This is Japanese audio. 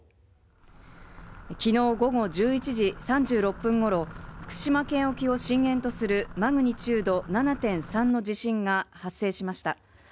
昨日午後１１時３６分ごろ福島県沖を震源とするマグニチュード７．３の地震が発生しました。